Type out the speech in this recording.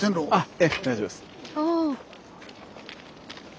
ええ大丈夫です。